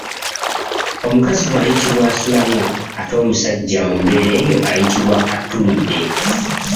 Omukazi bw’ayitibwa asuulamye ate omusajja mu mbeera eyo ayitibwa atuuludde.